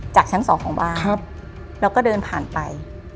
จากชั้นสองของบ้านแล้วก็เดินผ่านไป